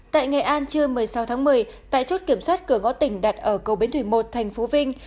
tại nghệ an trưa một mươi sáu tháng một mươi tại chốt kiểm soát cửa ngõ tỉnh đặt ở cầu bến thủy một thành phố vinh